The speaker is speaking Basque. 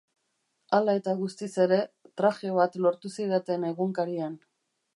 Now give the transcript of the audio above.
Hala eta guztiz ere, traje bat lortu zidaten egunkarian.